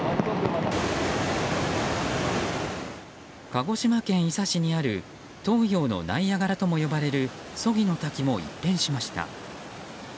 鹿児島県伊佐市にある東洋のナイアガラともいわれる曽木の滝も一変しました。